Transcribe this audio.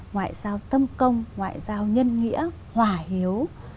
ngoại giao tâm công ngoại giao nhân nghĩa hỏa hiếu